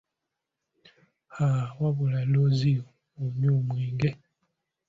Ha! Wabula looziyo onywa omwenge.